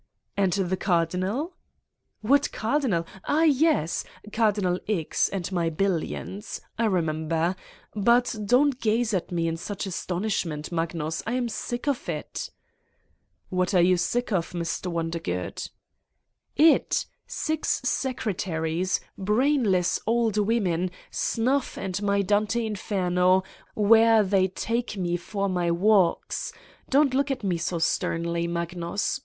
" "And the Cardinal!" "What Cardinal? Ah, yes! ... Cardinal X. and my billions. I remember. But don 't gaze at me in such astonishment, Magnus. I am sick of it." "What are you sick of, Mr. Wondergood?" 116 Satan's Diary "It. Six secretaries. Brainless old snuff, and my Dante Inferno, where they take me for my walks. Don't look at me so sternly, Mag nus.